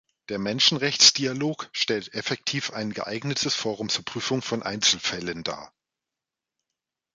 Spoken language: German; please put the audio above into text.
Der Menschenrechtsdialog stellt effektiv ein geeignetes Forum zur Prüfung von Einzelfällen dar.